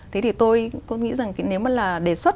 thế thì tôi nghĩ rằng nếu mà là đề xuất